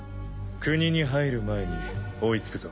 国に入る前に追いつくぞ。